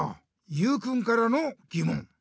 ゆうくんからのぎもん。